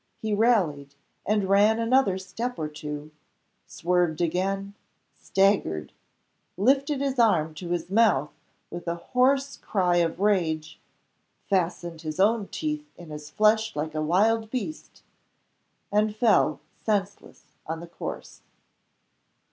He rallied, and ran another step or two swerved again staggered lifted his arm to his mouth with a hoarse cry of rage fastened his own teeth in his flesh like a wild beast and fell senseless on the course.